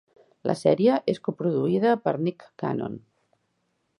La sèrie és coproduïda per Nick Cannon.